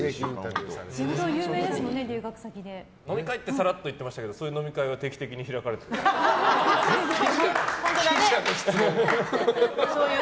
飲み会ってさらっと言ってましたけどそういう飲み会は定期的に開かれてるんですか？